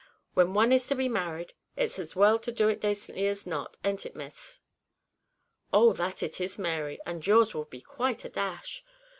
When one is to be married, it's as well to do it dacently as not; arn't it, Miss?" "Oh! that it is Mary, and yours 'll be quite a dash."